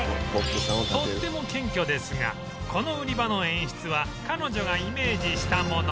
とっても謙虚ですがこの売り場の演出は彼女がイメージしたもの